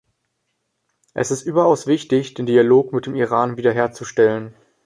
Es ist überaus wichtig, den Dialog mit dem Iran wieder herzustellen.